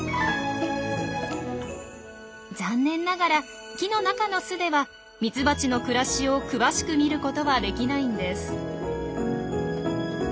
残念ながら木の中の巣ではミツバチの暮らしを詳しく見ることはできないんです。